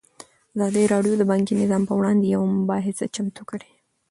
ازادي راډیو د بانکي نظام پر وړاندې یوه مباحثه چمتو کړې.